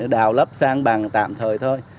đào lấp sang bằng tạm thời thôi